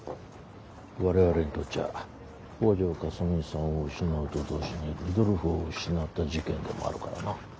我々にとっちゃ北條かすみさんを失うと同時にルドルフを失った事件でもあるからな。